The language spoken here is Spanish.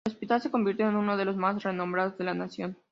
El hospital se convirtió en uno de los más renombrados de la nación.